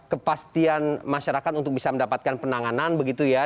kepastian masyarakat untuk bisa mendapatkan penanganan begitu ya